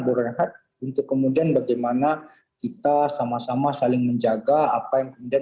bu renhat untuk kemudian bagaimana kita sama sama saling menjaga apa yang kemudian